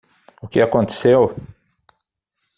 O que aconteceu?